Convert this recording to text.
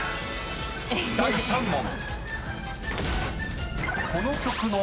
［第３問］